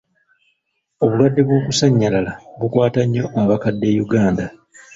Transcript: Obulwadde bw’okusannyalala bukwata nnyo abakadde e Uganda.